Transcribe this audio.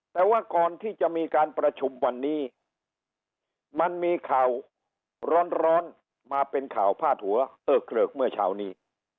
แต่ว่าก่อนที่จะมีการประชุมวันนี้มันมีข่าวร้อนมาเป็นข่าวพาดหัวเออเกริกเมื่อเช้านี้